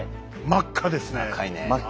真っ赤ですね。